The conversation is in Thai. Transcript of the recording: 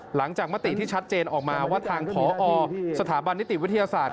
มติที่ชัดเจนออกมาว่าทางพอสถาบันนิติวิทยาศาสตร์